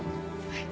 はい。